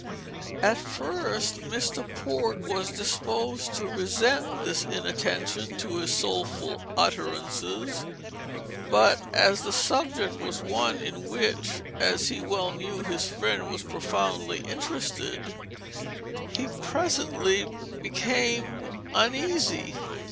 At first Mr. Port was disposed to resent this inattention to his soulful utterances; but as the subject was one in which, as he well knew, his friend was profoundly interested, he presently became uneasy.